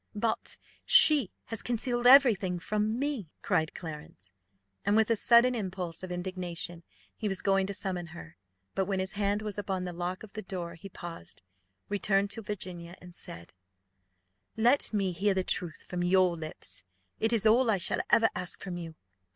"But she has concealed every thing from me," cried Clarence; and, with a sudden impulse of indignation, he was going to summon her, but when his hand was upon the lock of the door he paused, returned to Virginia, and said, "Let me hear the truth from your lips: it is all I shall ever ask from you.